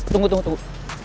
tunggu tunggu tunggu